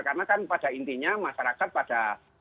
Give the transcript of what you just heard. karena kan pada intinya masyarakat pada